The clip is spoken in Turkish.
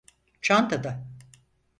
Çantada.